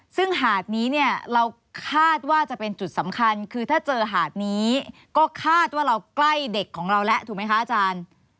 ซึ่งหาดนี้เนี่ยเราคาดว่าจะเป็นจุดสำคัญคือถ้าเจอหาดนี้ก็คาดว่าเราใกล้เด็กของเราแล้วถูกไหมคะอาจารย์